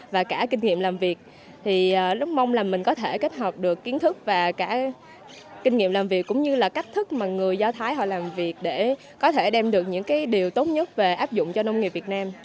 và cả kinh nghiệm làm việc thì lúc mong là mình có thể kết hợp được kiến thức và cả kinh nghiệm làm việc cũng như là cách thức mà người do thái họ làm việc để có thể đem được những điều tốt nhất về áp dụng cho nông nghiệp việt nam